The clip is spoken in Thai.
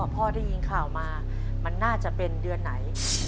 พ่อได้ยินข่าวมามันน่าจะเป็นเดือนไหน